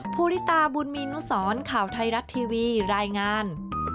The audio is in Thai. ภูริตาบุญมีนุสรข่าวไทยรัฐทีวีรายงาน